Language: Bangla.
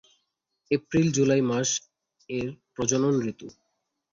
এপ্রিল-জুলাই মাস এর প্রজনন ঋতু।